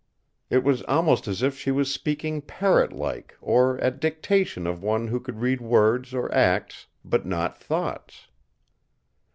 It was almost as if she was speaking parrot like or at dictation of one who could read words or acts, but not thoughts.